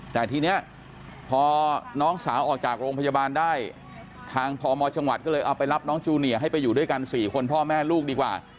แต่ทีนี้พอน้องสาวออกจากโรงพยาบาลได้ทางพมจังหวัดก็เลยเอาไปรับน้องจูเนียให้ไปอยู่ด้วยกัน๔คนพ่อแม่ลูกดีกว่า